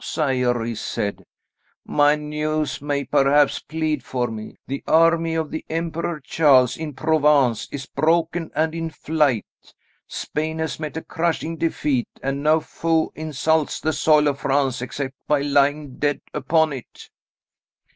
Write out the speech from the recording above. "Sire," he said, "my news may perhaps plead for me. The army of the Emperor Charles, in Provence, is broken and in flight. Spain has met a crushing defeat, and no foe insults the soil of France except by lying dead upon it."